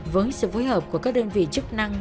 với sự phối hợp của các đơn vị chức năng